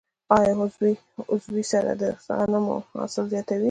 آیا عضوي سره د غنمو حاصل زیاتوي؟